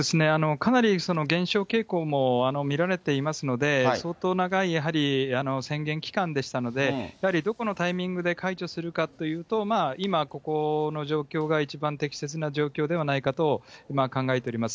かなり減少傾向も見られていますので、相当長い宣言期間でしたので、やはりどこのタイミングで解除するかというと、今ここの状況が一番適切な状況ではないかと今、考えております。